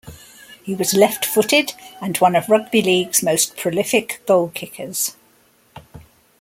He was left-footed, and one of rugby league's most prolific goal-kickers.